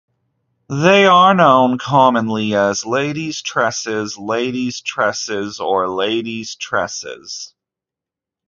They are known commonly as ladies tresses, ladies'-tresses, or lady's tresses.